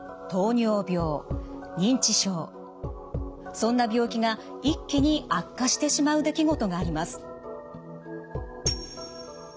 そんな病気が一気に悪化してしまう出来事があります。